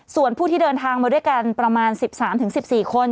ส่วนผู้ที่เดินทางมาด้วยกันประมาณ๑๓๑๔คน